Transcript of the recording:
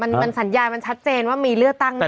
มันสัญญาณมันชัดเจนว่ามีเลือกตั้งแน่